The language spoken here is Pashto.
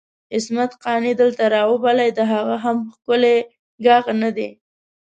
عصمت قانع دلته راوبلئ د هغه هم ښکلی ږغ ندی؟!